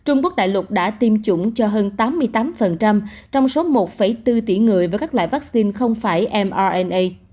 trung quốc đại lục đã tiêm chủng cho hơn tám mươi tám trong số một bốn tỷ người với các loại vaccine không phải mrna